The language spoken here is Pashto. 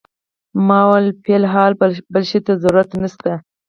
ما وویل فی الحال بل شي ته ضرورت نه شته.